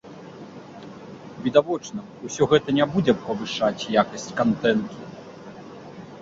Відавочна, усё гэта не будзе павышаць якасць кантэнту.